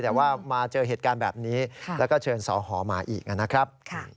แต่ว่ามาเจอเหตุการณ์แบบนี้แล้วก็เชิญสอหอมาอีกนะครับ